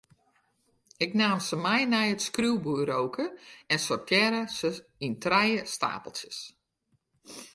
Ik naam se mei nei it skriuwburoke en sortearre se yn trije steapeltsjes.